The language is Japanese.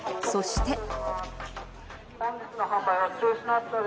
そして。